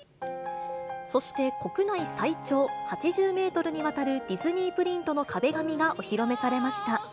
そして、国内最長８０メートルにわたるディズニープリントの壁紙がお披露目されました。